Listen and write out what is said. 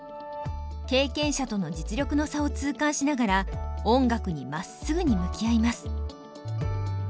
経験者との実力の差を痛感しながら音楽にまっすぐに向き合います。